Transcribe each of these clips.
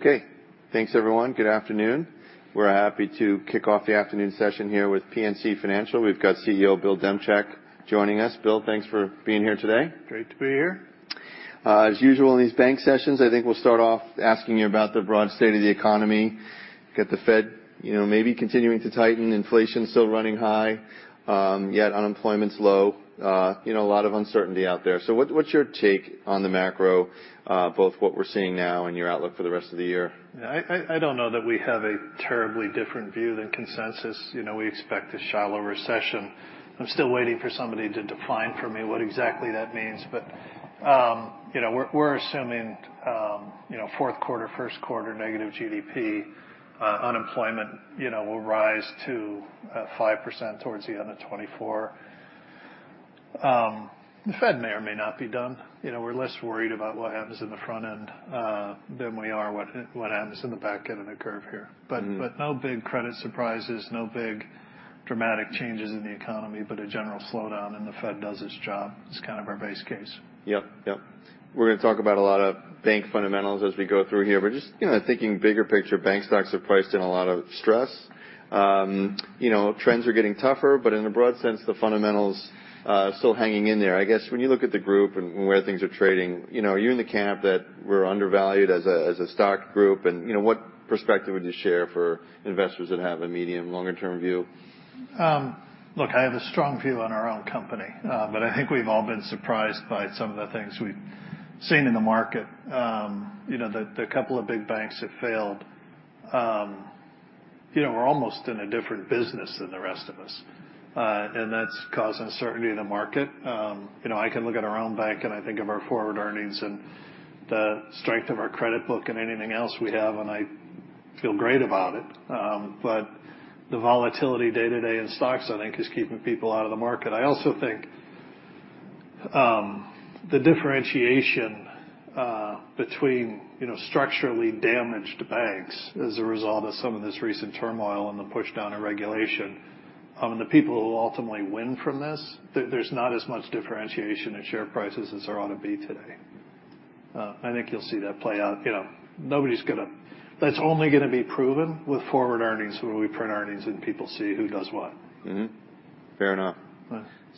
Okay. Thanks, everyone. Good afternoon. We're happy to kick off the afternoon session here with PNC Financial. We've got CEO Bill Demchak joining us. Bill, thanks for being here today. Great to be here. As usual, in these bank sessions, I think we'll start off asking you about the broad state of the economy. Got the Fed, you know, maybe continuing to tighten, inflation still running high, yet unemployment's low, you know, a lot of uncertainty out there. What's your take on the macro, both what we're seeing now and your outlook for the rest of the year? I don't know that we have a terribly different view than consensus. You know, we expect a shallow recession. I'm still waiting for somebody to define for me what exactly that means, but, you know, we're assuming, you know, 4Q, 1Q negative GDP. Unemployment, you know, will rise to 5% towards the end of 2024. The Fed may or may not be done. You know, we're less worried about what happens in the front end, than we are what happens in the back end of the curve here. Mm-hmm. No big credit surprises, no big dramatic changes in the economy, but a general slowdown, and the Fed does its job. It's kind of our base case. Yep. Yep. We're gonna talk about a lot of bank fundamentals as we go through here, but just, you know, thinking bigger picture, bank stocks are priced in a lot of stress. You know, trends are getting tougher, but in a broad sense, the fundamentals still hanging in there. I guess when you look at the group and where things are trading, you know, are you in the camp that we're undervalued as a stock group? You know, what perspective would you share for investors that have a medium, longer term view? Look, I have a strong view on our own company. I think we've all been surprised by some of the things we've seen in the market. You know, the couple of big banks that failed, you know, were almost in a different business than the rest of us. That's caused uncertainty in the market. You know, I can look at our own bank. I think of our forward earnings and the strength of our credit book and anything else we have. I feel great about it. The volatility day-to-day in stocks, I think, is keeping people out of the market. I also think, the differentiation, between, you know, structurally damaged banks as a result of some of this recent turmoil and the push down of regulation, and the people who will ultimately win from this, there's not as much differentiation in share prices as there ought to be today. I think you'll see that play out. You know, That's only gonna be proven with forward earnings, when we print earnings and people see who does what. Mm-hmm. Fair enough.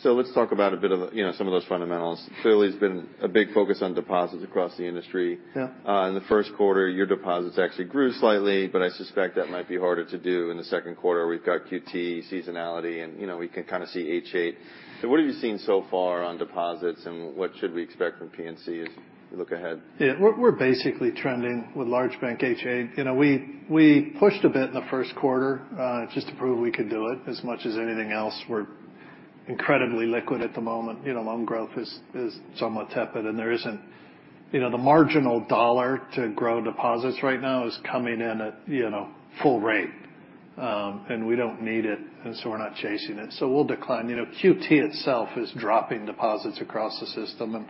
Right. Let's talk about a bit of, you know, some of those fundamentals. Clearly, it's been a big focus on deposits across the industry. Yeah. In the 1Q, your deposits actually grew slightly, but I suspect that might be harder to do in the second quarter. We've got QT seasonality, and, you know, we can kind of see H8. What have you seen so far on deposits, and what should we expect from PNC as we look ahead? Yeah. We're basically trending with large bank H8. You know, we pushed a bit in the 1Q, just to prove we could do it as much as anything else. We're incredibly liquid at the moment. You know, loan growth is somewhat tepid, and you know, the marginal dollar to grow deposits right now is coming in at, you know, full rate. We don't need it, and so we're not chasing it, so we'll decline. You know, QT itself is dropping deposits across the system, and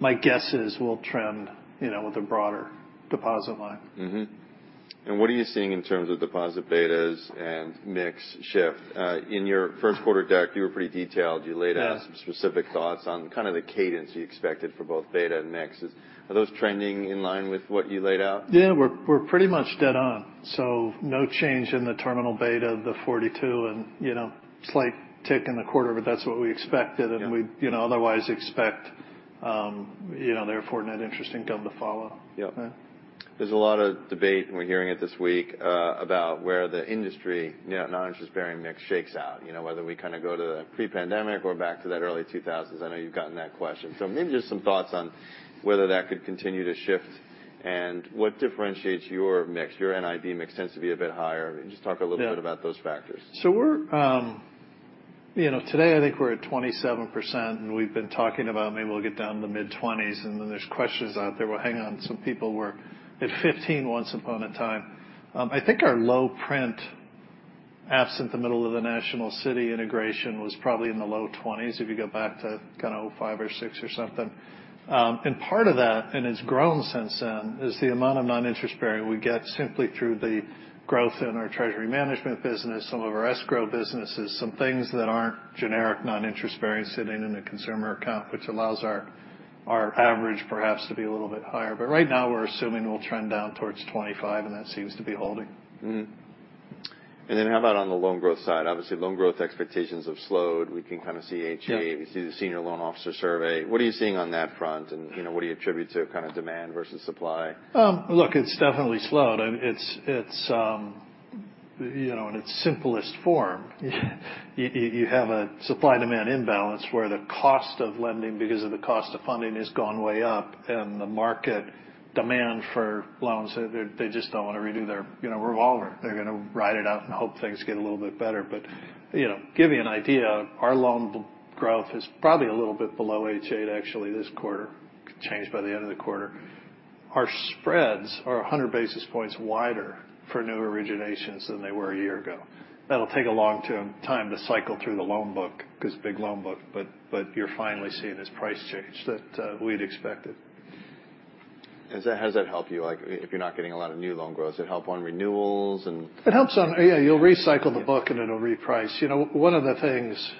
my guess is we'll trend, you know, with a broader deposit line. What are you seeing in terms of deposit betas and mix shift? In your 1Q deck, you were pretty detailed. Yeah. You laid out some specific thoughts on kind of the cadence you expected for both beta and mix. Are those trending in line with what you laid out? Yeah, we're pretty much dead on. No change in the terminal beta of the 42 and, you know, slight tick in the quarter. That's what we expected. Yeah... and we'd, you know, otherwise expect, you know, therefore, net interest income to follow. Yep. Yeah. There's a lot of debate, and we're hearing it this week, about where the industry, you know, non-interest-bearing mix shakes out. You know, whether we kind of go to pre-pandemic or back to that early 2000s. I know you've gotten that question. Maybe just some thoughts on whether that could continue to shift, and what differentiates your mix? Your NIB mix tends to be a bit higher. Just talk a little bit. Yeah about those factors. We're, you know, today, I think we're at 27%, and we've been talking about maybe we'll get down to the mid-twenties, and then there's questions out there, "Well, hang on, some people were at 15 once upon a time." I think our low print, absent the middle of the National City integration, was probably in the low twenties, if you go back to kind of 2005 or 2006 or something. Part of that, and it's grown since then, is the amount of non-interest bearing we get simply through the growth in our treasury management business, some of our escrow businesses, some things that aren't generic non-interest bearing sitting in a consumer account, which allows our average perhaps to be a little bit higher. Right now we're assuming we'll trend down towards 25, and that seems to be holding. Then how about on the loan growth side? Obviously, loan growth expectations have slowed. We can kind of see H8. Yeah. We see the Senior Loan Officer Survey. What are you seeing on that front, and, you know, what do you attribute to kind of demand versus supply? Look, it's definitely slowed. It's, it's, you know, in its simplest form, you have a supply/demand imbalance, where the cost of lending because of the cost of funding has gone way up, and the market demand for loans, they just don't want to redo their, you know, revolver. They're gonna ride it out and hope things get a little bit better. You know, give you an idea, our loan growth is probably a little bit below H8 actually this quarter. Could change by the end of the quarter. Our spreads are 100 basis points wider for new originations than they were a year ago. That'll take a long time to cycle through the loan book, because big loan book, but you're finally seeing this price change that we'd expected.... Has that helped you? Like, if you're not getting a lot of new loan growth, does it help on renewals and... It helps. Yeah, you'll recycle the book, and it'll reprice. You know, one of the things,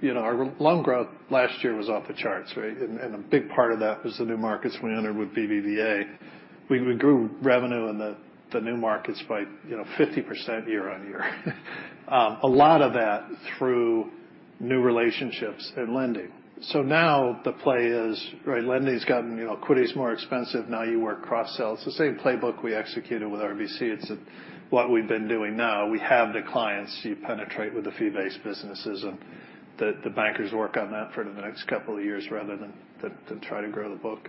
you know, our loan growth last year was off the charts, right? A big part of that was the new markets we entered with BBVA. We grew revenue in the new markets by, you know, 50% year-over-year. A lot of that through new relationships and lending. Now the play is, right, lending has gotten, you know, equity is more expensive, now you work cross-sell. It's the same playbook we executed with RBC. It's what we've been doing now. We have the clients, you penetrate with the fee-based businesses, and the bankers work on that for the next couple of years rather than try to grow the book.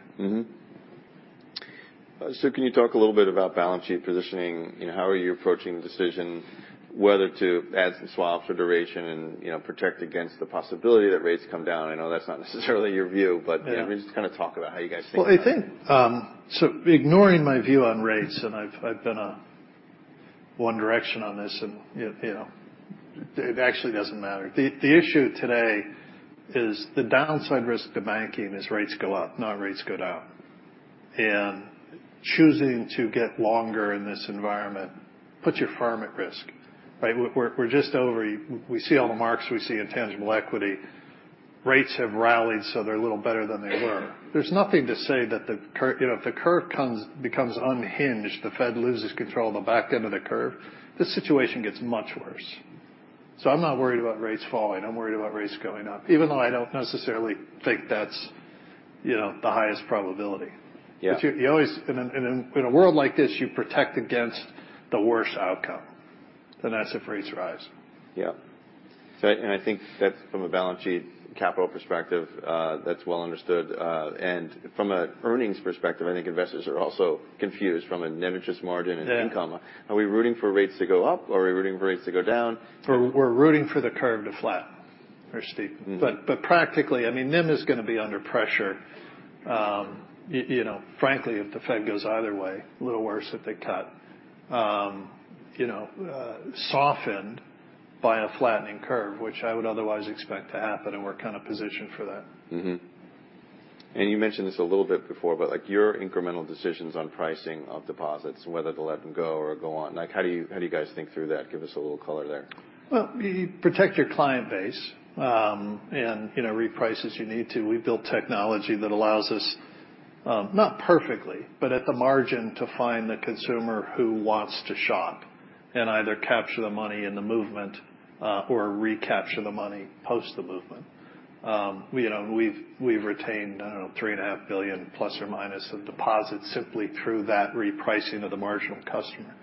Can you talk a little bit about balance sheet positioning? You know, how are you approaching the decision whether to add some swaps for duration and, you know, protect against the possibility that rates come down? I know that's not necessarily your view. Yeah. just kind of talk about how you guys think about it. Well, I think, ignoring my view on rates, I've been on one direction on this, you know, it actually doesn't matter. The issue today is the downside risk to banking is rates go up, not rates go down. Choosing to get longer in this environment puts your firm at risk, right? We're. We see all the marks, we see in tangible equity. Rates have rallied, they're a little better than they were. There's nothing to say that, you know, if the curve becomes unhinged, the Fed loses control of the back end of the curve, the situation gets much worse. I'm not worried about rates falling. I'm worried about rates going up, even though I don't necessarily think that's, you know, the highest probability. Yeah. You always, in a world like this, you protect against the worst outcome, and that's if rates rise. I think that from a balance sheet capital perspective, that's well understood. From an earnings perspective, I think investors are also confused from a net interest margin. Yeah income. Are we rooting for rates to go up, or are we rooting for rates to go down? We're rooting for the curve to flatten or steep. Mm-hmm. Practically, I mean, NIM is going to be under pressure. you know, frankly, if the Fed goes either way, a little worse if they cut. you know, softened by a flattening curve, which I would otherwise expect to happen, and we're kind of positioned for that. You mentioned this a little bit before, but, like, your incremental decisions on pricing of deposits, whether to let them go or go on. Like, how do you guys think through that? Give us a little color there. Well, you protect your client base, and, you know, reprice as you need to. We've built technology that allows us, not perfectly, but at the margin, to find the consumer who wants to shop and either capture the money in the movement, or recapture the money post the movement. You know, we've retained, I don't know, three and a half billion dollars plus or minus of deposits simply through that repricing of the marginal customer.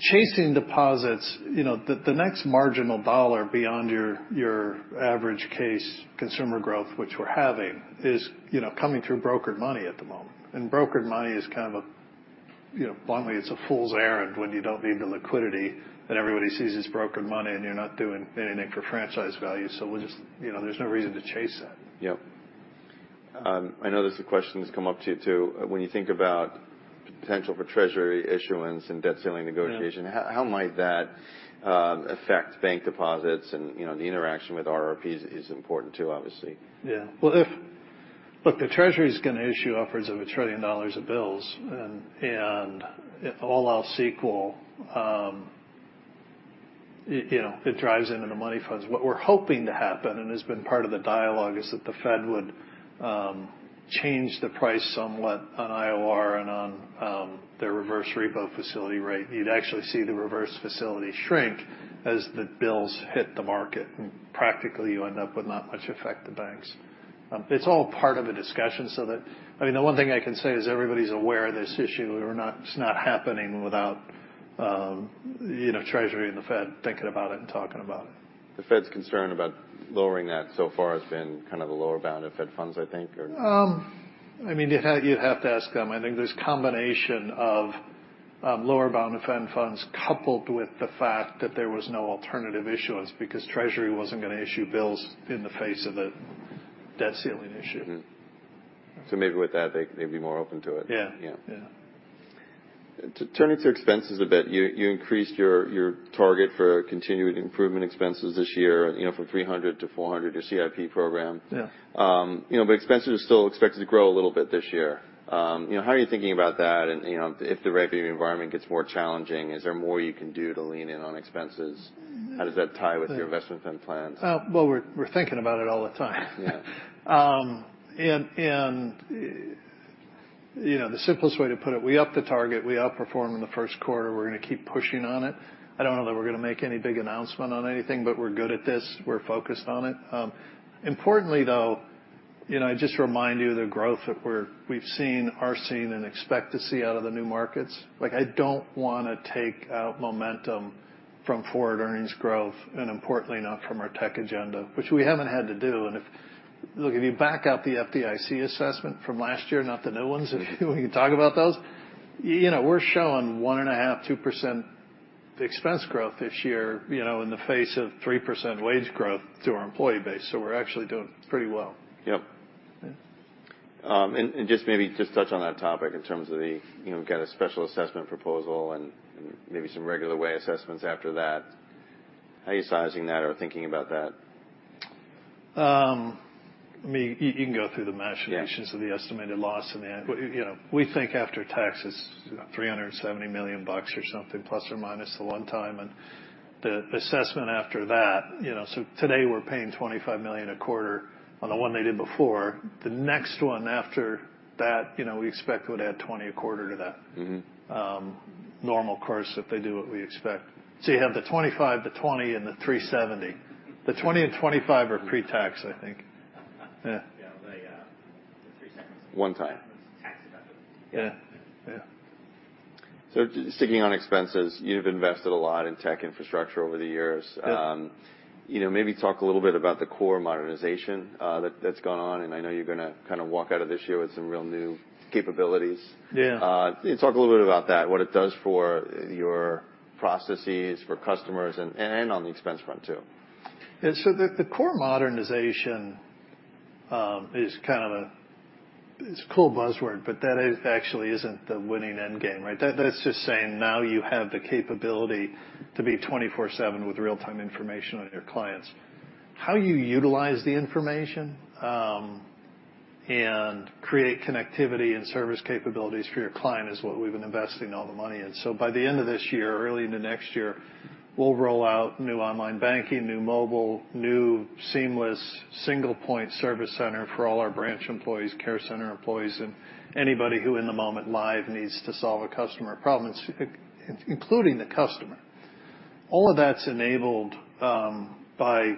Chasing deposits, you know, the next marginal dollar beyond your average case consumer growth, which we're having, is, you know, coming through brokered money at the moment. Brokered money is kind of a, you know, bluntly, it's a fool's errand when you don't need the liquidity, that everybody sees as brokered money, and you're not doing anything for franchise value. We'll just... You know, there's no reason to chase that. Yep. I know this is a question that's come up to you, too. When you think about potential for Treasury issuance and debt ceiling negotiation. Yeah How might that affect bank deposits? You know, the interaction with RRPs is important, too, obviously. Yeah. Well, Look, the Treasury is going to issue upwards of $1 trillion of bills, and if all else equal, you know, it drives into the money funds. What we're hoping to happen, and has been part of the dialogue, is that the Fed would change the price somewhat on IOR and on their reverse repo facility rate. You'd actually see the reverse facility shrink as the bills hit the market, practically, you end up with not much effect to banks. It's all part of a discussion. I mean, the one thing I can say is everybody's aware of this issue. It's not happening without, you know, Treasury and the Fed thinking about it and talking about it. The Fed's concern about lowering that so far has been kind of the lower bound of Fed funds, I think, or? I mean, you'd have to ask them. I think this combination of lower bound of Fed funds, coupled with the fact that there was no alternative issuance because Treasury wasn't going to issue bills in the face of a debt ceiling issue. maybe with that, they'd be more open to it. Yeah. Yeah. Yeah. Turning to expenses a bit, you increased your target for continued improvement expenses this year, you know, from $300 to $400, your CIP program. Yeah. you know, expenses are still expected to grow a little bit this year. you know, how are you thinking about that? you know, if the rate of environment gets more challenging, is there more you can do to lean in on expenses? Mm. How does that tie with your investment fund plans? Well, we're thinking about it all the time. Yeah. you know, the simplest way to put it, we upped the target, we outperformed in the 1Q. We're going to keep pushing on it. I don't know that we're going to make any big announcement on anything, but we're good at this. We're focused on it. Importantly, though, you know, I just remind you, the growth that we've seen, are seeing, and expect to see out of the new markets, like, I don't want to take out momentum from forward earnings growth, and importantly, not from our tech agenda, which we haven't had to do. If... Look, if you back out the FDIC assessment from last year, not the new ones, we can talk about those, you know, we're showing 1.5%-2% expense growth this year, you know, in the face of 3% wage growth to our employee base. We're actually doing pretty well. Yep. Yeah. Just maybe just touch on that topic in terms of the, you know, we've got a special assessment proposal and maybe some regular way assessments after that. How are you sizing that or thinking about that? I mean, you can go through the machinations. Yeah. of the estimated loss in the end. You know, we think after taxes, $370 million or something, ± the one time and the assessment after that. You know, today we're paying $25 million a quarter on the one they did before. The next one after that, you know, we expect it would add $20 a quarter to that. Mm-hmm. Normal course, if they do what we expect. You have the $25, the $20, and the $370. The $20 and $25 are pre-tax, I think. Yeah. Yeah, they, the $370. One time. Tax benefit. Yeah. Yeah. Sticking on expenses, you've invested a lot in tech infrastructure over the years. Yeah. You know, maybe talk a little bit about the core modernization that's gone on, and I know you're gonna kind of walk out of this year with some real new capabilities. Yeah. Can you talk a little bit about that, what it does for your processes, for customers, and on the expense front, too? The core modernization is a cool buzzword, but that it actually isn't the winning end game, right? That's just saying now you have the capability to be 24/7 with real-time information on your clients. How you utilize the information and create connectivity and service capabilities for your client is what we've been investing all the money in. By the end of this year, early into next year, we'll roll out new online banking, new mobile, new seamless single-point service center for all our branch employees, care center employees, and anybody who, in the moment live, needs to solve a customer problem, including the customer. All of that's enabled by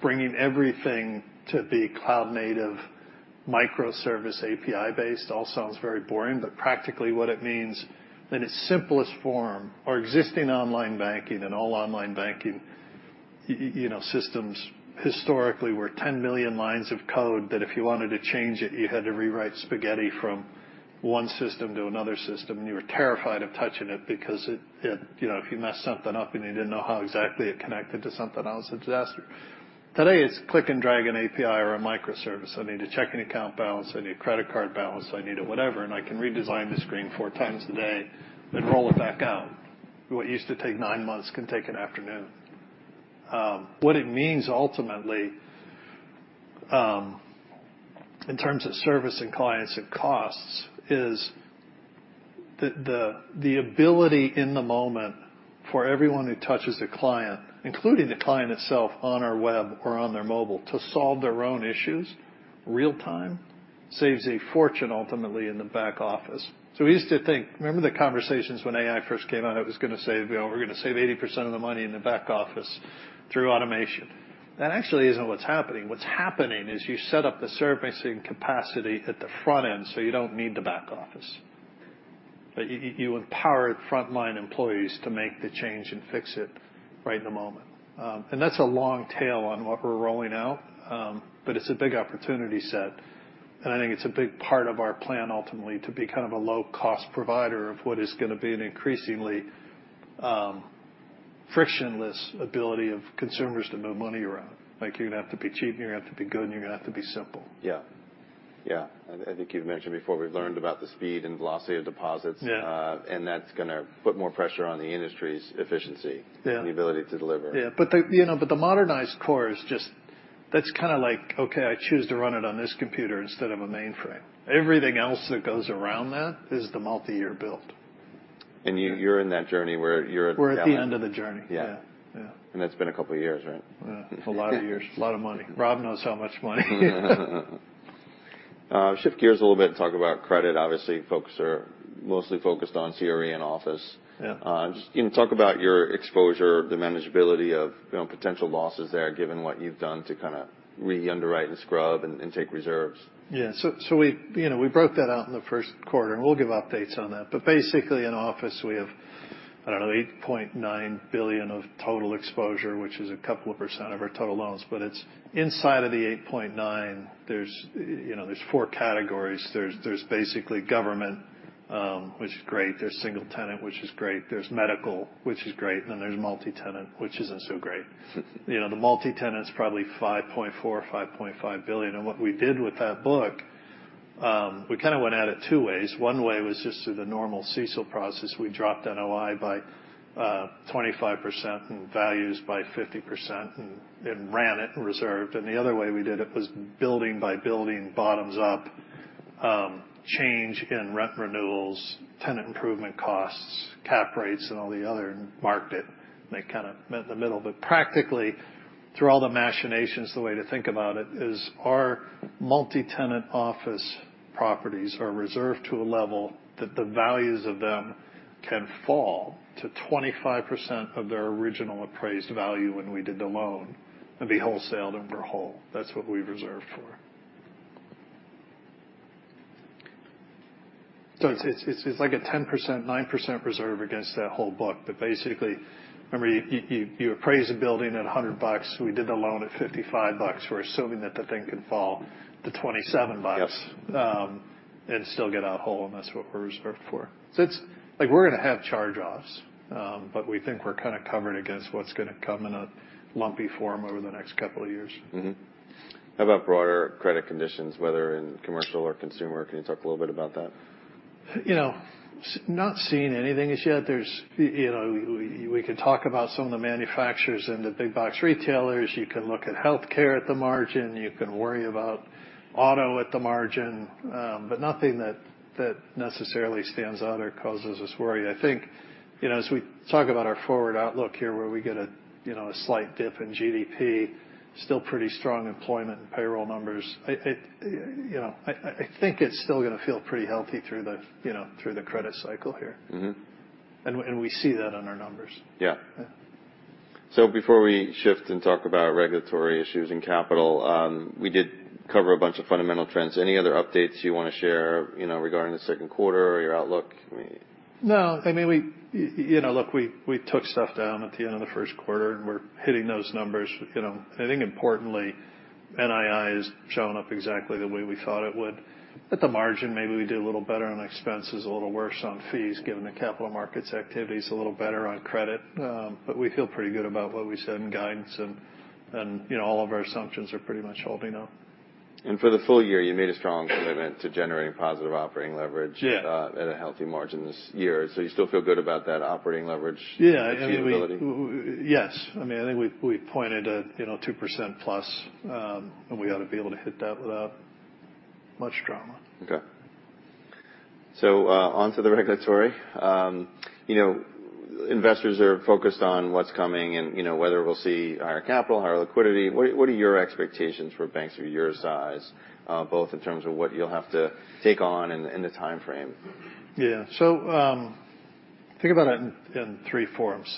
bringing everything to be cloud-native, microservice, API-based. All sounds very boring, but practically what it means, in its simplest form, our existing online banking and all online banking, you know, systems historically were 10 million lines of code, that if you wanted to change it, you had to rewrite spaghetti from one system to another system, and you were terrified of touching it because it... You know, if you messed something up, and you didn't know how exactly it connected to something else, it's a disaster. Today, it's click and drag an API or a microservice. I need a checking account balance, I need a credit card balance, I need a whatever, and I can redesign the screen four times a day, then roll it back out. What used to take nine months can take an afternoon. What it means ultimately, in terms of servicing clients and costs, is the ability in the moment for everyone who touches the client, including the client itself on our web or on their mobile, to solve their own issues real time, saves a fortune, ultimately, in the back office. Remember the conversations when AI first came out, it was going to save, you know, we're going to save 80% of the money in the back office through automation. That actually isn't what's happening. What's happening is you set up the servicing capacity at the front end, so you don't need the back office. You empower frontline employees to make the change and fix it right in the moment. That's a long tail on what we're rolling out, but it's a big opportunity set, and I think it's a big part of our plan, ultimately, to be kind of a low-cost provider of what is going to be an increasingly frictionless ability of consumers to move money around. You're going to have to be cheap, and you're going to have to be good, and you're going to have to be simple. Yeah. Yeah. I think you've mentioned before, we've learned about the speed and velocity of deposits. Yeah. That's gonna put more pressure on the industry's efficiency. Yeah The ability to deliver. Yeah, the, you know, but the modernized core is just. That's kind of like, okay, I choose to run it on this computer instead of a mainframe. Everything else that goes around that is the multi-year build. You're in that journey where you're. We're at the end of the journey. Yeah. Yeah. Yeah. It's been a couple of years, right? Yeah. A lot of years, a lot of money. Rob knows how much money. shift gears a little bit and talk about credit. Obviously, folks are mostly focused on CRE and office. Yeah. Just, you know, talk about your exposure, the manageability of, you know, potential losses there, given what you've done to kind of re-underwrite and scrub and take reserves. Yeah. We, you know, we broke that out in the 1Q, and we'll give updates on that. Basically, in office, we have, I don't know, $8.9 billion of total exposure, which is a couple of % of our total loans. It's inside of the $8.9, there's, you know, there's four categories. There's basically government, which is great. There's single tenant, which is great. There's medical, which is great. There's multi-tenant, which isn't so great. You know, the multi-tenant is probably $5.4 billion or $5.5 billion. What we did with that book, we kind of went at it two ways. One way was just through the normal CECL process. We dropped NOI by 25% and values by 50% and ran it and reserved. The other way we did it was building by building bottoms up, change in rent renewals, tenant improvement costs, cap rates, and all the other, and marked it, and it kind of met in the middle. Practically, through all the machinations, the way to think about it is our multi-tenant office properties are reserved to a level that the values of them can fall to 25% of their original appraised value when we did the loan and be wholesaled and we're whole. That's what we reserved for. It's like a 10%, 9% reserve against that whole book. Basically, remember, you appraise a building at $100. We did the loan at $55. We're assuming that the thing can fall to $27- Yep... and still get out whole, and that's what we're reserved for. It's, like we're gonna have charge-offs, but we think we're kind of covered against what's gonna come in a lumpy form over the next couple of years. Mm-hmm. How about broader credit conditions, whether in commercial or consumer? Can you talk a little bit about that? You know, not seeing anything as yet. There's, you know, we can talk about some of the manufacturers and the big box retailers. You can look at healthcare at the margin, you can worry about auto at the margin, but nothing that necessarily stands out or causes us worry. I think, you know, as we talk about our forward outlook here, where we get a, you know, a slight dip in GDP, still pretty strong employment and payroll numbers. I, you know, I think it's still gonna feel pretty healthy through the, you know, through the credit cycle here. Mm-hmm. We see that on our numbers. Yeah. Yeah. Before we shift and talk about regulatory issues and capital, we did cover a bunch of fundamental trends. Any other updates you wanna share, you know, regarding the second quarter or your outlook? No, I mean, we, you know, look, we took stuff down at the end of the 1Q. We're hitting those numbers. You know, I think importantly, NII is showing up exactly the way we thought it would. At the margin, maybe we did a little better on expenses, a little worse on fees, given the capital markets activities, a little better on credit, but we feel pretty good about what we said in guidance. You know, all of our assumptions are pretty much holding up. For the full year, you made a strong commitment to generating positive operating leverage. Yeah At a healthy margin this year. You still feel good about that operating leverage? Yeah, I mean. -feasibility? Yes. I mean, I think we pointed at, you know, 2%+. We ought to be able to hit that without much drama. Okay. Onto the regulatory. You know, investors are focused on what's coming and, you know, whether we'll see higher capital, higher liquidity. What are your expectations for banks of your size, both in terms of what you'll have to take on in the time frame? Yeah. So, think about it in three forms: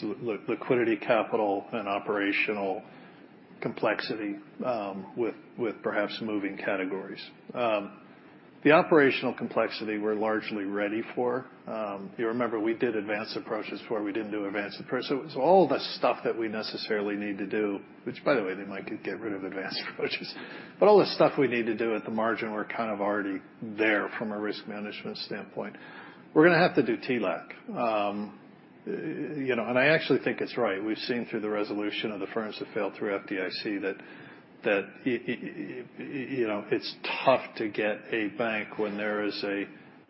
liquidity, capital, and operational complexity, with perhaps moving categories. The operational complexity, we're largely ready for. You remember, we did Advanced Approaches before. We didn't do Advanced Approach. All the stuff that we necessarily need to do, which by the way, they might get rid of Advanced Approaches, but all the stuff we need to do at the margin, we're kind of already there from a risk management standpoint. We're gonna have to do TLAC. You know, I actually think it's right. We've seen through the resolution of the firms that failed through FDIC, that, you know, it's tough to get a bank when there is a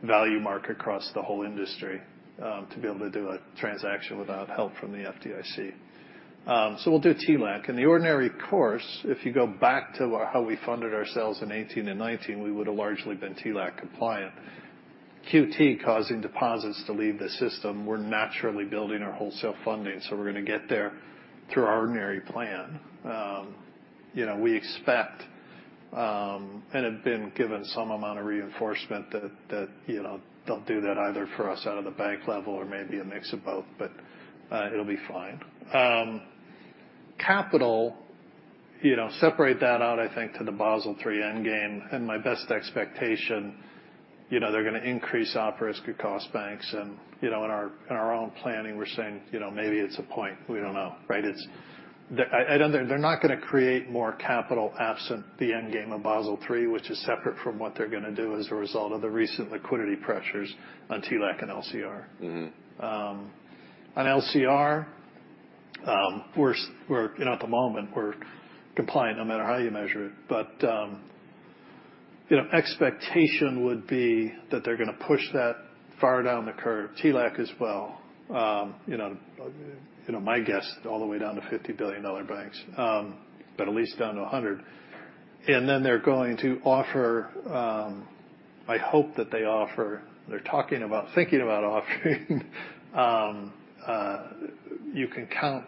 value mark across the whole industry, to be able to do a transaction without help from the FDIC. So we'll do TLAC. In the ordinary course, if you go back to how we funded ourselves in 2018 and 2019, we would have largely been TLAC compliant. QT causing deposits to leave the system, we're naturally building our wholesale funding, so we're gonna get there through our ordinary plan. You know, we expect, and have been given some amount of reinforcement that, you know, they'll do that either for us out of the bank level or maybe a mix of both, but, it'll be fine. Capital, you know, separate that out, I think, to the Basel III end game. My best expectation, you know, they're gonna increase our risk and cost banks. You know, in our, in our own planning, we're saying, you know, maybe it's a point we don't know, right? It's... I know they're not gonna create more capital absent the end game of Basel III, which is separate from what they're gonna do as a result of the recent liquidity pressures on TLAC and LCR. Mm-hmm. On LCR, we're, you know, at the moment we're compliant, no matter how you measure it. You know, expectation would be that they're gonna push that far down the curve. TLAC as well. You know, my guess, all the way down to $50 billion banks, but at least down to 100. They're going to offer. I hope that they offer. They're talking about thinking about offering. You can count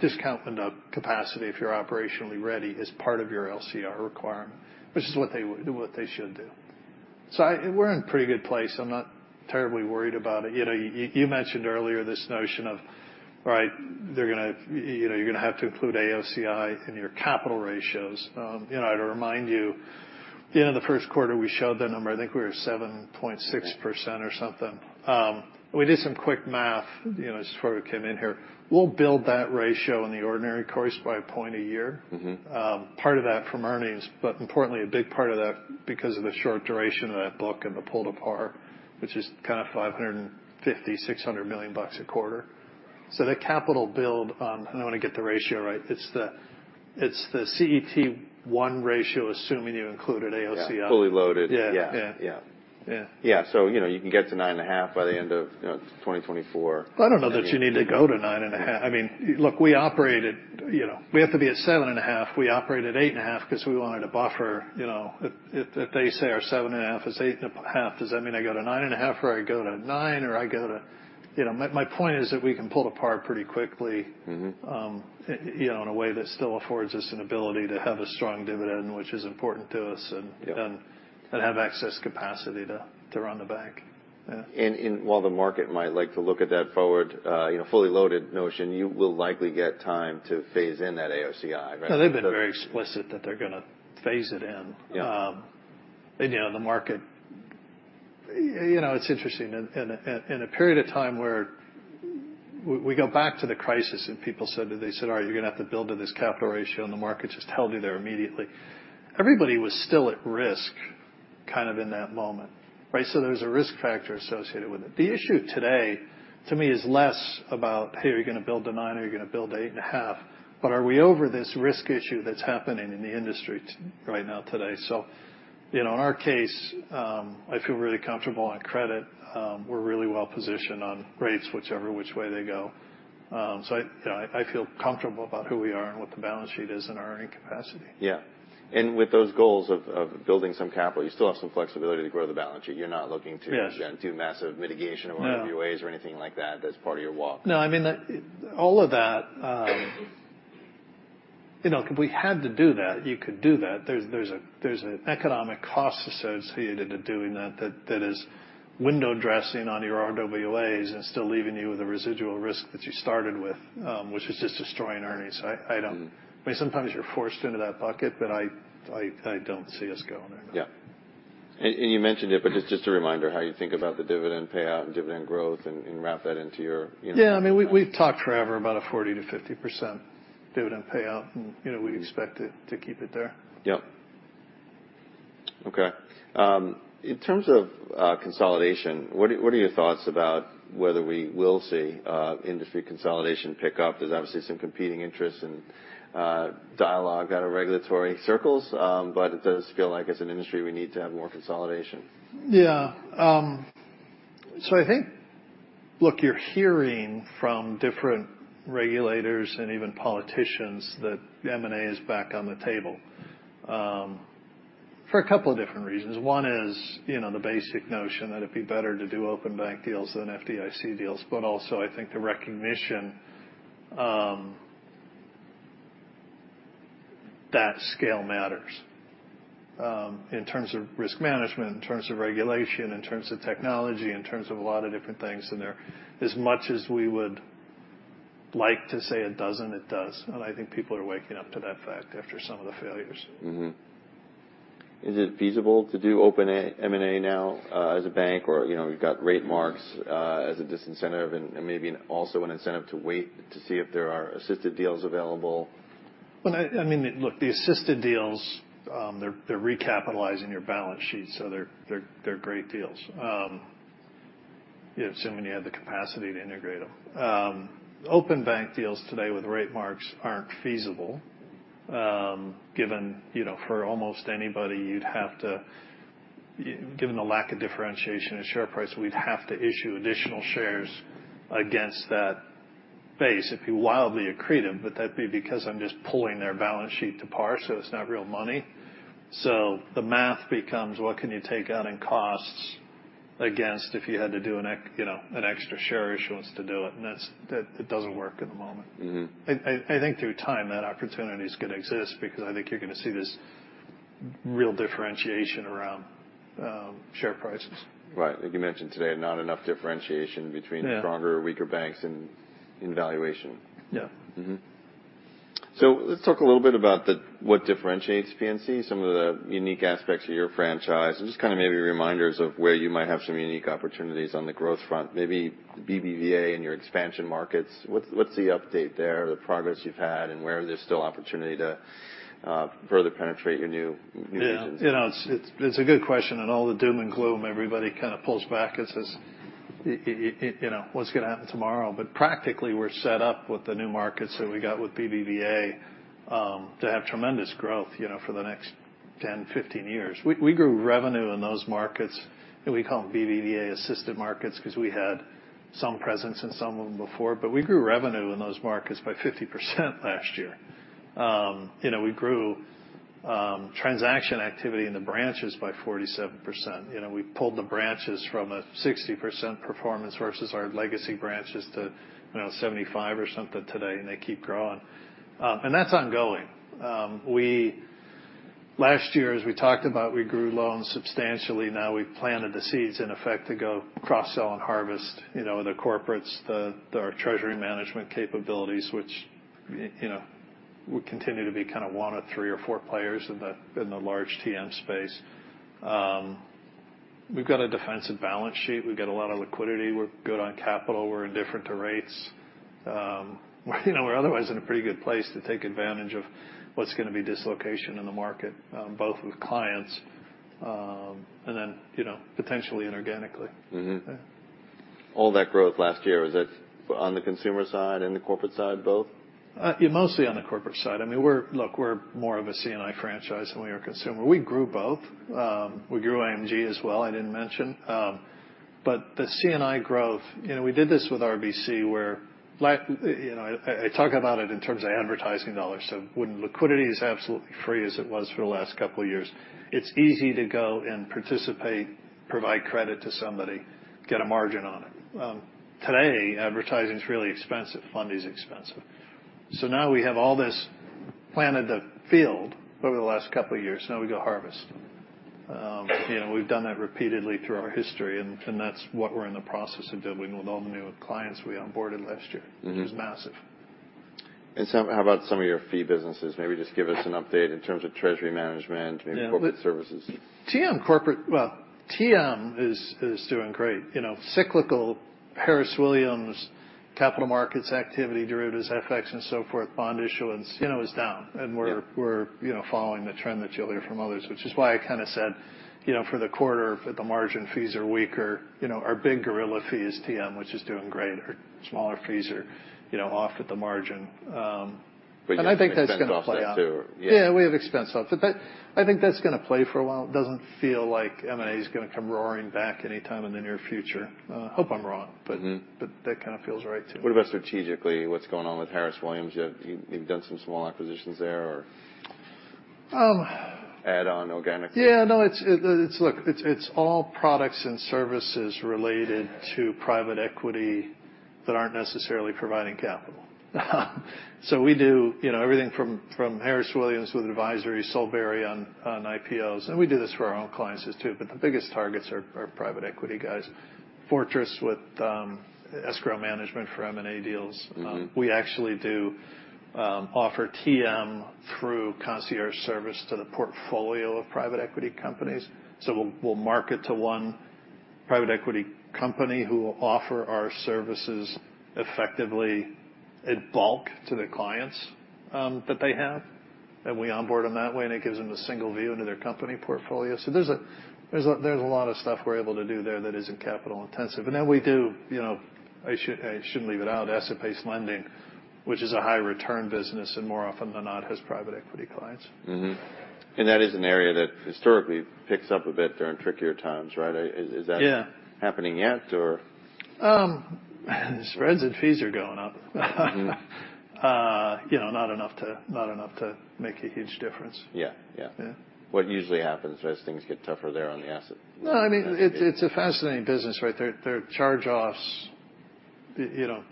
discount and capacity if you're operationally ready as part of your LCR requirement, which is what they would, what they should do. We're in a pretty good place. I'm not terribly worried about it. You know, you mentioned earlier this notion of, right, they're gonna, you know, you're gonna have to include AOCI in your capital ratios. You know, to remind you, the end of the 1Q, we showed that number. I think we were 7.6% or something. We did some quick math, you know, just before we came in here. We'll build that ratio in the ordinary course by a point a year. Mm-hmm. Part of that from earnings, importantly, a big part of that, because of the short duration of that book and the pull to par, which is kind of $550 million-$600 million a quarter. The capital build on, and I want to get the ratio right, it's the CET1 ratio, assuming you included AOCI. Yeah, fully loaded. Yeah. Yeah. Yeah. Yeah. Yeah, you know, you can get to 9.5 by the end of, you know, 2024. I don't know that you need to go to 9.5. I mean, look, we operated, you know, we have to be at 7.5. We operate at 8.5 because we wanted a buffer, you know. If they say our 7.5 is 8.5, does that mean I go to 9.5, or I go to 9, or I go to... You know, my point is that we can pull it apart pretty quickly. Mm-hmm... you know, in a way that still affords us an ability to have a strong dividend, which is important to us. Yeah have excess capacity to run the bank. Yeah. While the market might like to look at that forward, you know, fully loaded notion, you will likely get time to phase in that AOCI, right? No, they've been very explicit that they're gonna phase it in. Yeah. You know, the market. You know, it's interesting. In, in a, in a period of time where we go back to the crisis and people said, they said, "All right, you're gonna have to build to this capital ratio," and the market just held you there immediately. Everybody was still at risk kind of in that moment, right? There's a risk factor associated with it. The issue today, to me, is less about, hey, are you gonna build to nine or are you gonna build 8.5? Are we over this risk issue that's happening in the industry right now today? You know, in our case, I feel really comfortable on credit. We're really well positioned on rates, whichever which way they go. I feel comfortable about who we are and what the balance sheet is in our earning capacity. Yeah. With those goals of building some capital, you still have some flexibility to grow the balance sheet. You're not looking. Yes do massive mitigation or RWAs. No Anything like that's part of your walk. No, I mean, all of that, you know, if we had to do that, you could do that. There's an economic cost associated to doing that is window dressing on your RWAs and still leaving you with the residual risk that you started with, which is just destroying earnings. I don't. Mm-hmm. I mean, sometimes you're forced into that bucket, but I don't see us going there. Yeah. You mentioned it, but just a reminder, how you think about the dividend payout and dividend growth and wrap that into your, you know. Yeah. I mean, we've talked forever about a 40%-50% dividend payout, and, you know, we expect it to keep it there. Yep. Okay. In terms of consolidation, what are your thoughts about whether we will see industry consolidation pick up? There's obviously some competing interests and dialogue out of regulatory circles, but it does feel like as an industry, we need to have more consolidation. Yeah. I think... Look, you're hearing from different regulators and even politicians that M&A is back on the table, for a couple of different reasons. One is, you know, the basic notion that it'd be better to do open bank deals than FDIC deals, also I think the recognition that scale matters, in terms of risk management, in terms of regulation, in terms of technology, in terms of a lot of different things in there. As much as we would like to say it doesn't, it does, and I think people are waking up to that fact after some of the failures. Is it feasible to do open M&A now, as a bank? You know, we've got rate marks, as a disincentive and maybe also an incentive to wait to see if there are assisted deals available. Well, I mean, look, the assisted deals, they're recapitalizing your balance sheet, so they're great deals. Yeah, assuming you have the capacity to integrate them. Open bank deals today with rate marks aren't feasible, given, you know, for almost anybody. Given the lack of differentiation in share price, we'd have to issue additional shares against that base. If you wildly accrete them, but that'd be because I'm just pulling their balance sheet to par, so it's not real money. The math becomes, what can you take out in costs against if you had to do, you know, an extra share issuance to do it? That's, it doesn't work at the moment. Mm-hmm. I think through time, that opportunity is gonna exist because I think you're gonna see this real differentiation around share prices. Right. Like you mentioned today, not enough differentiation between- Yeah stronger or weaker banks in valuation. Yeah. Let's talk a little bit about the, what differentiates PNC, some of the unique aspects of your franchise, and just kind of maybe reminders of where you might have some unique opportunities on the growth front, maybe BBVA and your expansion markets. What's the update there, the progress you've had, and where there's still opportunity to further penetrate your new regions? Yeah. You know, it's a good question. All the doom and gloom, everybody kind of pulls back and says, you know, "What's gonna happen tomorrow?" Practically, we're set up with the new markets that we got with BBVA to have tremendous growth, you know, for the next 10-15 years. We grew revenue in those markets, we call them BBVA-assisted markets because we had some presence in some of them before, we grew revenue in those markets by 50% last year. You know, we grew transaction activity in the branches by 47%. You know, we pulled the branches from a 60% performance versus our legacy branches to, you know, 75 or something today, they keep growing. That's ongoing. Last year, as we talked about, we grew loans substantially. We've planted the seeds, in effect, to go cross-sell and harvest, you know, the corporates, our Treasury Management capabilities, which, you know, we continue to be kind of one of three or four players in the, in the large TM space. We've got a defensive balance sheet. We've got a lot of liquidity. We're good on capital. We're indifferent to rates. You know, we're otherwise in a pretty good place to take advantage of what's going to be dislocation in the market, both with clients, and then, you know, potentially inorganically. Mm-hmm. Yeah. All that growth last year, was that on the consumer side and the corporate side, both? Mostly on the corporate side. I mean, we're more of a C&I franchise than we are consumer. We grew both. We grew AMG as well, I didn't mention. The C&I growth, you know, we did this with RBC, where you know, I talk about it in terms of advertising dollars. When liquidity is absolutely free, as it was for the last couple of years, it's easy to go and participate, provide credit to somebody, get a margin on it. Today, advertising's really expensive, funding is expensive. Now we have all this planted the field over the last couple of years. Now we go harvest. You know, we've done that repeatedly through our history, and that's what we're in the process of doing with all the new clients we onboarded last year. Mm-hmm. It was massive. How about some of your fee businesses? Maybe just give us an update in terms of treasury management. Yeah... maybe corporate services. TM corporate, TM is doing great. You know, cyclical, Harris Williams, capital markets activity, derivatives, FX and so forth, bond issuance, you know, is down. Yeah. We're, you know, following the trend that you'll hear from others, which is why I kind of said, you know, for the quarter, at the margin, fees are weaker. You know, our big gorilla fee is TM, which is doing great. Our smaller fees are, you know, off at the margin. I think that's going to play out. You have expense offset, too. Yeah, we have expense offset. I think that's going to play for a while. It doesn't feel like M&A is going to come roaring back anytime in the near future. I hope I'm wrong. Mm-hmm. That kind of feels right, too. What about strategically? What's going on with Harris Williams? You've done some small acquisitions there, or? Um. Add on organic. Yeah, no, it's all products and services related to private equity that aren't necessarily providing capital. We do, you know, everything from Harris Williams with advisory, Solebury on IPOs, and we do this for our own clients too, but the biggest targets are private equity guys. Fortress with escrow management for M&A deals. Mm-hmm. We actually do offer TM through concierge service to the portfolio of private equity companies. We'll market to one private equity company who will offer our services effectively in bulk to the clients that they have. We onboard them that way, and it gives them a single view into their company portfolio. There's a lot of stuff we're able to do there that isn't capital intensive. We do, you know, I shouldn't leave it out, asset-based lending, which is a high return business, and more often than not, has private equity clients. Mm-hmm. That is an area that historically picks up a bit during trickier times, right? Yeah happening yet, or? Spreads and fees are going up. Mm-hmm. You know, not enough to make a huge difference. Yeah. Yeah. Yeah. What usually happens as things get tougher there on the asset? No, I mean, it's a fascinating business, right? They're charge-offs. You know,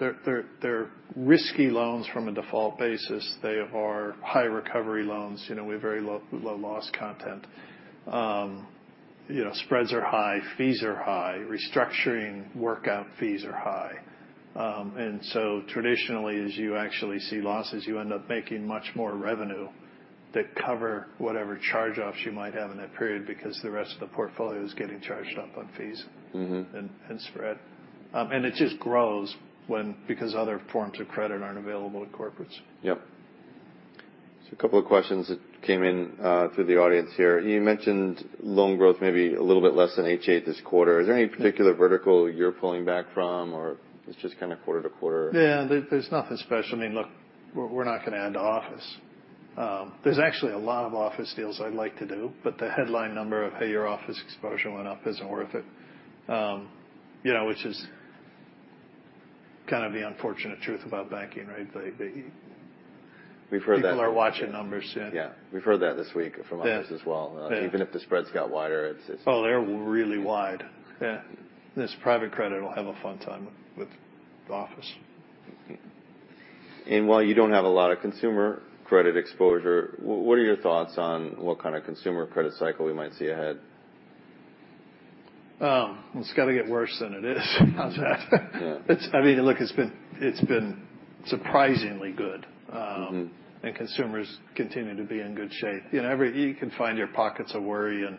they're risky loans from a default basis. They are high recovery loans. You know, we have very low loss content. You know, spreads are high, fees are high, restructuring workout fees are high. Traditionally, as you actually see losses, you end up making much more revenue that cover whatever charge-offs you might have in that period, because the rest of the portfolio is getting charged up on fees. Mm-hmm... and spread. It just grows because other forms of credit aren't available to corporates. Yep. A couple of questions that came in, through the audience here. You mentioned loan growth maybe a little bit less than H8 this quarter. Is there any particular vertical you're pulling back from, or it's just kind of quarter-to-quarter? Yeah, there's nothing special. I mean, look, we're not going to add to office. There's actually a lot of office deals I'd like to do, but the headline number of, "Hey, your office exposure went up," isn't worth it. You know, which is kind of the unfortunate truth about banking, right? We've heard. People are watching numbers. Yeah. We've heard that this week from others as well. Yeah. Even if the spreads got wider, it's Oh, they're really wide. Yeah. This private credit will have a fun time with the office. While you don't have a lot of consumer credit exposure, what are your thoughts on what kind of consumer credit cycle we might see ahead? It's got to get worse than it is. How's that? Yeah. I mean, look, it's been surprisingly good. Mm-hmm. Consumers continue to be in good shape. You know, you can find your pockets of worry in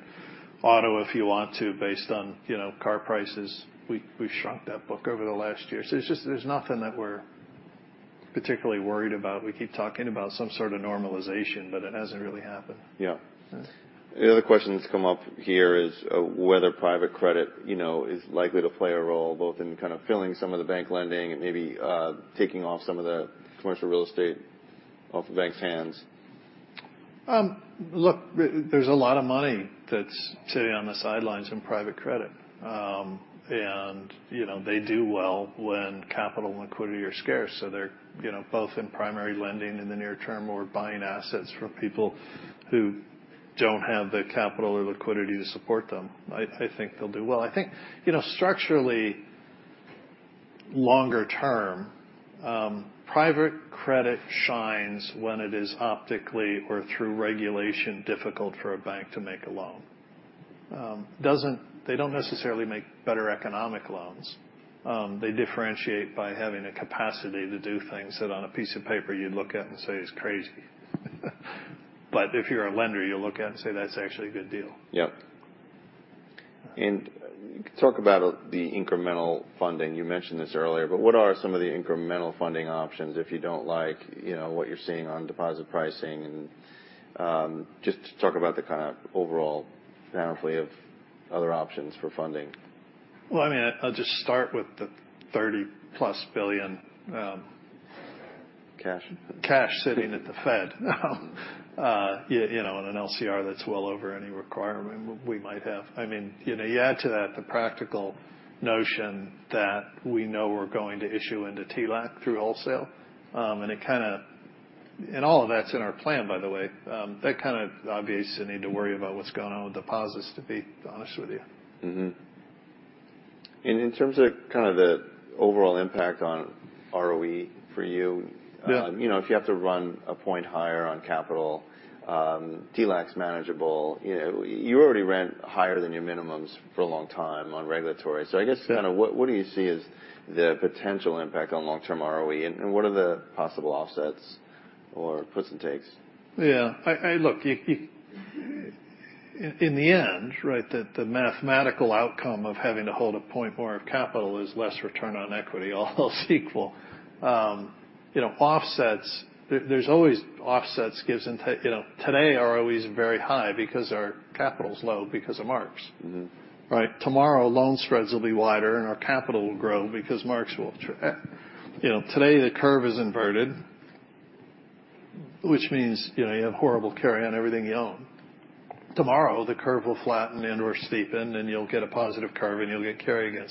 auto, if you want to, based on, you know, car prices. We've shrunk that book over the last year. It's just there's nothing that we're particularly worried about. We keep talking about some sort of normalization, but it hasn't really happened. Yeah. Yeah. The other question that's come up here is, whether private credit, you know, is likely to play a role, both in kind of filling some of the bank lending and maybe, taking off some of the commercial real estate off the bank's hands. look, there's a lot of money that's sitting on the sidelines in private credit. you know, they do well when capital and liquidity are scarce. they're, you know, both in primary lending in the near term or buying assets from people who don't have the capital or liquidity to support them. I think they'll do well. I think, you know, structurally, longer term, private credit shines when it is optically or through regulation, difficult for a bank to make a loan. they don't necessarily make better economic loans. they differentiate by having a capacity to do things that on a piece of paper you'd look at and say, "It's crazy." If you're a lender, you'll look at and say, "That's actually a good deal. Yep. Talk about the incremental funding. You mentioned this earlier, but what are some of the incremental funding options if you don't like, you know, what you're seeing on deposit pricing? Just talk about the kind of overall panoply of other options for funding. Well, I mean, I'll just start with the $30 plus billion. Cash... cash sitting at the Fed. you know, in an LCR, that's well over any requirement we might have. I mean, you know, you add to that the practical notion that we know we're going to issue into TLAC through wholesale. All of that's in our plan, by the way. That kind of obviates the need to worry about what's going on with deposits, to be honest with you. Mm-hmm. In terms of kind of the overall impact on ROE for you? Yeah You know, if you have to run a point higher on capital, TLAC's manageable. You know, you already ran higher than your minimums for a long time on regulatory. Yeah. I guess kind of what do you see as the potential impact on long-term ROE, and what are the possible offsets or puts and takes? Yeah. In the end, right, the mathematical outcome of having to hold a point more of capital is less return on equity, all else equal. You know, offsets, there's always offsets, gives and take. You know, today, ROE is very high because our capital's low because of marks. Mm-hmm. Right? Tomorrow, loan spreads will be wider. Our capital will grow because marks will, you know, today the curve is inverted, which means, you know, you have horrible carry on everything you own. Tomorrow, the curve will flatten and/or steepen. You'll get a positive curve. You'll get carry again.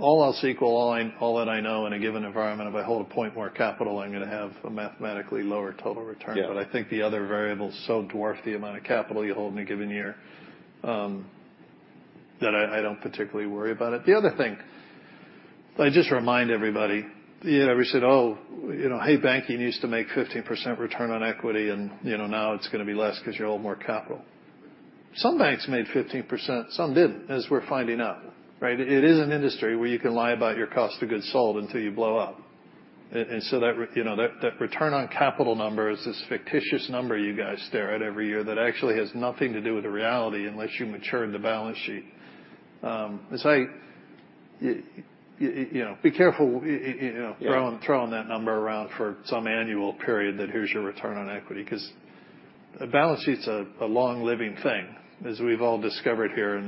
All else equal, all that I know in a given environment, if I hold a point more capital, I'm gonna have a mathematically lower total return. Yeah. I think the other variables so dwarf the amount of capital you hold in a given year that I don't particularly worry about it. The other thing, I just remind everybody, you know, we said, "Oh, you know, hey, banking used to make 15% return on equity, and, you know, now it's gonna be less because you hold more capital." Some banks made 15%, some didn't, as we're finding out, right? It is an industry where you can lie about your cost of goods sold until you blow up. So that, you know, that return on capital number is this fictitious number you guys stare at every year that actually has nothing to do with the reality unless you mature the balance sheet. As I, you know, be careful, you know. Yeah. -throwing that number around for some annual period, that here's your return on equity, 'cause a balance sheet's a long-living thing, as we've all discovered here in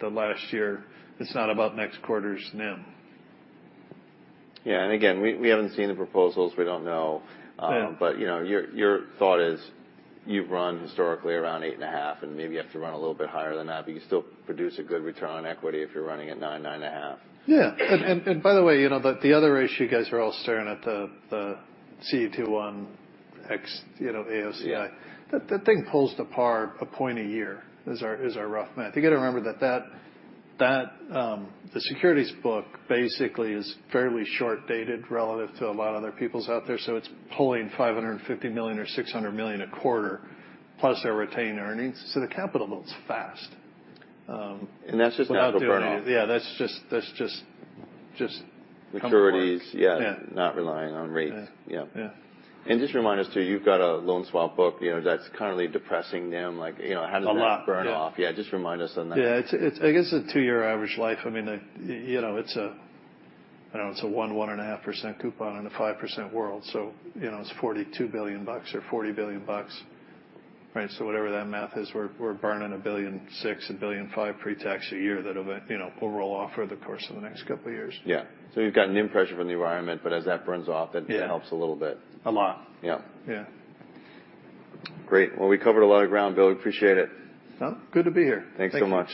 the last year. It's not about next quarter's NIM. Yeah, and again, we haven't seen the proposals. We don't know. Yeah. you know, your thought is, you've run historically around 8.5%, and maybe you have to run a little bit higher than that, but you still produce a good return on equity if you're running at 9%, 9.5%. Yeah. By the way, you know, the other issue, you guys are all staring at the CET1, you know, AOCI. Yeah. That thing pulls the par a point a year, is our rough math. You got to remember that the securities book basically is fairly short-dated relative to a lot of other peoples out there, so it's pulling $550 million or $600 million a quarter, plus our retained earnings, so the capital builds fast. That's just without the burnout. Yeah, that's just. Maturities. Yeah. Yeah. Not relying on rates. Yeah. Yeah. Yeah. Just remind us, too, you've got a loan swap book, you know, that's currently depressing NIM. Like. A lot. How does that burn off? Yeah, just remind us on that. Yeah, it's, I guess, a two-year average life. I mean, you know, it's a, I know it's a 1.5% coupon in a 5% world, so, you know, it's $42 billion or $40 billion, right? Whatever that math is, we're burning $1.6 billion, $1.5 billion pre-tax a year that'll, you know, will roll off over the course of the next couple of years. Yeah. You've got NIM pressure from the environment, but as that burns off- Yeah. It helps a little bit. A lot. Yeah. Yeah. Great. Well, we covered a lot of ground, Bill. We appreciate it. Oh, good to be here. Thanks so much.